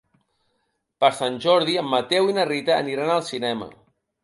Per Sant Jordi en Mateu i na Rita aniran al cinema.